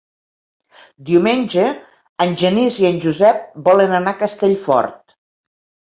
Diumenge en Genís i en Josep volen anar a Castellfort.